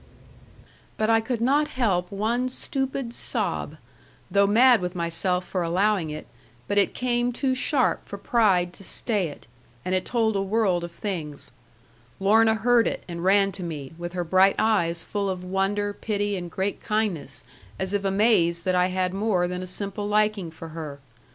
But I could not help one stupid sob, though mad with myself for allowing it, but it came too sharp for pride to stay it, and it told a world of things. Lorna heard it, and ran to me, with her bright eyes full of wonder, pity, and great kindness, as if amazed that I had more than a simple liking for her.